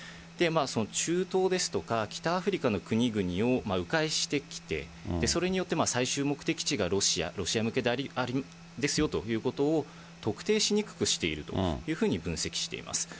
その中東ですとか北アフリカの国々をう回してきて、それによって最終目的地がロシア、ロシア向けであるんですよということを、特定しにくくしているというふうに分析しています。